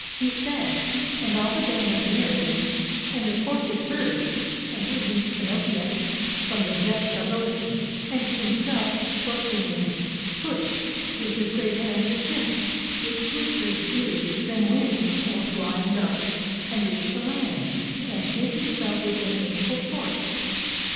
He said; and all The band of Nereids and of Phorcus heard, And virgin Panopea, from the depths Of ocean; and himself Portunus pushed With his great hands the ship, which swifter flew Than wind, or flying dart, and reached the land, And hid itself within the ample port.